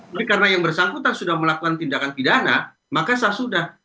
tapi karena yang bersangkutan sudah melakukan tindakan pidana maka sah sudah